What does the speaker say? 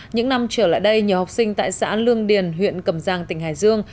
những năm trở lại đây nhiều học sinh tại xã lương điền huyện cầm giang tỉnh hải dương